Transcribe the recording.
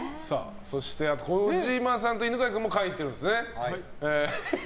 そして、児嶋さんと犬飼君も書いています。